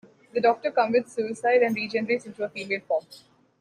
The Doctor commits suicide and regenerates into a female form.